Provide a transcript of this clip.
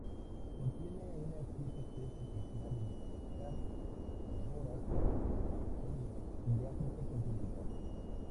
Contiene unas siete especies originarias de Madagascar, Comoras, Mascareñas y África continental.